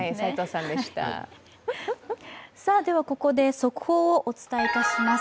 ここで速報をお伝えします。